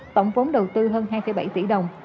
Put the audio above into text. tổng vốn đầu tư hơn hai bảy tỷ đồng